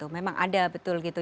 memang ada betul gitu